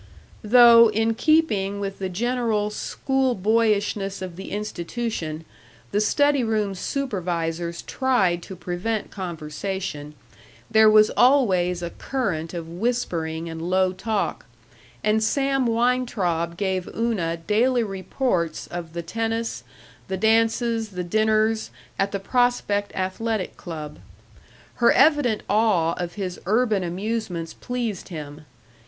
Though, in keeping with the general school boyishness of the institution, the study room supervisors tried to prevent conversation, there was always a current of whispering and low talk, and Sam Weintraub gave Una daily reports of the tennis, the dances, the dinners at the Prospect Athletic Club. Her evident awe of his urban amusements pleased him.